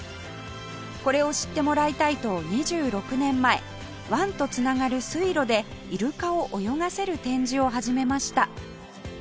これを知ってもらいたいと２６年前湾と繋がる水路でイルカを泳がせる展示を始めました